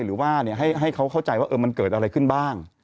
หรือว่าให้เขาเข้าใจว่ามันเกิดอะไรขึ้นบ้าง